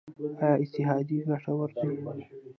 آیا اتحادیې ګټورې دي؟